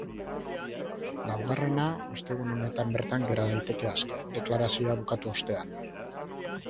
Laugarrena ostegun honetan bertan gera daiteke aske, deklarazioa bukatu ostean.